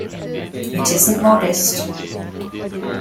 It isn’t modest.